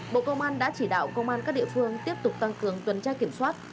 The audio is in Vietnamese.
bộ công an đã chỉ đạo công an các địa phương tiếp tục tăng cường tuần tra kiểm soát